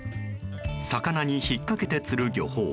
魚に引っ掛けて釣る漁法